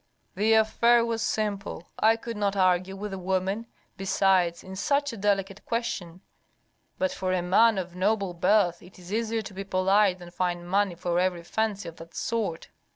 The affair was simple. I could not argue with a woman, besides, in such a delicate question. But for a man of noble birth it is easier to be polite than find money for every fancy of that sort."